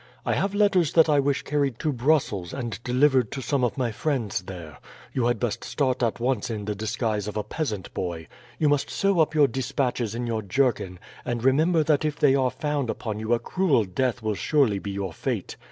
I have letters that I wish carried to Brussels and delivered to some of my friends there. You had best start at once in the disguise of a peasant boy. You must sew up your despatches in your jerkin, and remember that if they are found upon you a cruel death will surely be your fate.